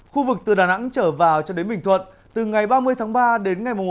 khu vực từ đà nẵng trở vào cho đến bình thuận từ ngày ba mươi ba đến ngày một bốn